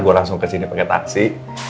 gue langsung kesini pakai taksi